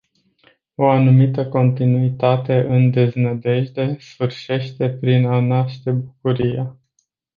O anumită continuitate în deznădejde sfârșește prin a naște bucuria.